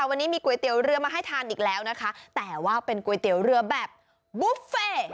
วันนี้มีก๋วยเตี๋ยวเรือมาให้ทานอีกแล้วนะคะแต่ว่าเป็นก๋วยเตี๋ยวเรือแบบบุฟเฟ่